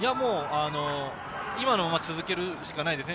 今のまま続けるしかないですね。